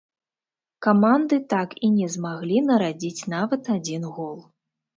Каманды так і не змаглі нарадзіць нават адзін гол.